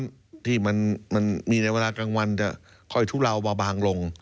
ที่มันมีในเวลากลางวันจะค่อยทุเลาเบาบางลง